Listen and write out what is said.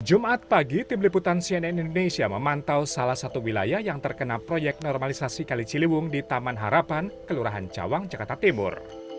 jumat pagi tim liputan cnn indonesia memantau salah satu wilayah yang terkena proyek normalisasi kali ciliwung di taman harapan kelurahan cawang jakarta timur